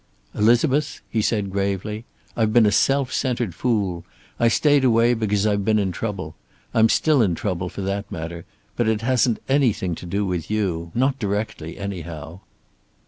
"Elizabeth," he said gravely. "I've been a self centered fool. I stayed away because I've been in trouble. I'm still in trouble, for that matter. But it hasn't anything to do with you. Not directly, anyhow."